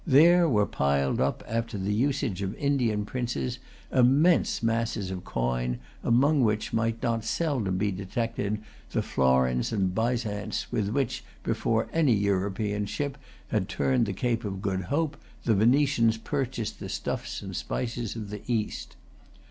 There were piled up, after the usage of Indian princes, immense masses of coin, among which might not seldom he detected the florins and byzants with which, before any European ship had turned the Cape of Good Hope, the Venetians purchased the stuffs and spices of the East.